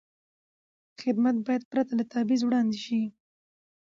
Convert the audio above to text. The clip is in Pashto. خدمت باید پرته له تبعیض وړاندې شي.